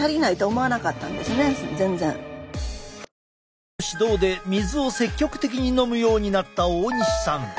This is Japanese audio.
医師の指導で水を積極的に飲むようになった大西さん。